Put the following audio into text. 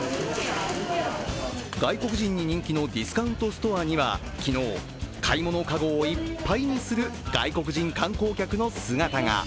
外国人に人気のディスカウントストアには、昨日、買い物籠をいっぱいにする外国人観光客の姿が。